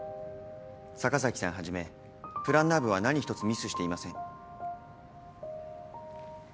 坂崎さんはじめプランナー部は何一つミスしていません。